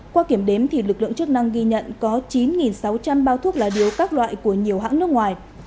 qua kiểm đếm lực lượng chức năng ghi nhận có chín sáu trăm linh bao thuốc lá điếu các loại của nhiều hãng nước ngoài